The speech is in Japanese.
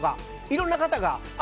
いろんな方が。